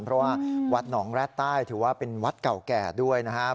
เพราะว่าวัดหนองแร็ดใต้ถือว่าเป็นวัดเก่าแก่ด้วยนะครับ